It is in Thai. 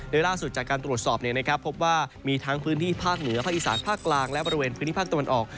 โดยล่าสุดจากการตรวจสอบพบว่ามีทั้งพื้นที่ภาคเหนือภาคอีสานภาคกลางและบริเวณพื้นที่ภาคตะวันออก